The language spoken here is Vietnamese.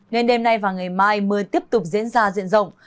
nên đêm nay và ngày mai mưa tiếp tục diễn ra diện rộng